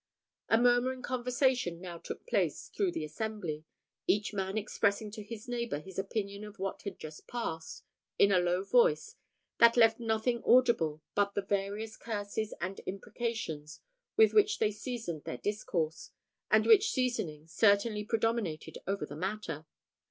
A murmuring conversation now took place through the assembly, each man expressing to his neighbour his opinion of what had just passed, in a low voice, that left nothing audible but the various curses and imprecations with which they seasoned their discourse, and which seasoning certainly predominated over the matter.